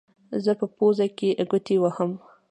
زه په پوزو کې ګوتې وهم.